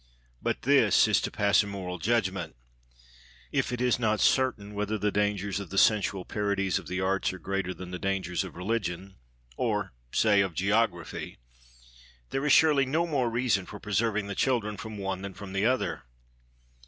But this is to pass a moral judgment. If it is not certain whether the dangers of the sensual parodies of the arts are greater than the dangers of religion or say, of geography there is surely no more reason for preserving the children from one than from the other.